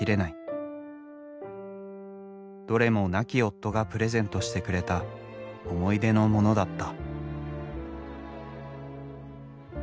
どれも亡き夫がプレゼントしてくれた思い出のモノだった。